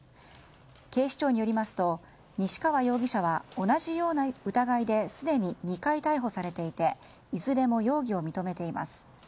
警視庁によりますと西川容疑者は同じような疑いですでに２回逮捕されていていずれも容疑を認めています。